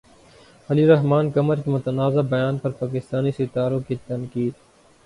خلیل الرحمن قمر کے متنازع بیان پر پاکستانی ستاروں کی تنقید